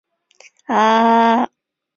太宗认为他们说得对。